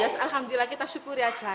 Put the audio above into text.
alhamdulillah kita syukuri aja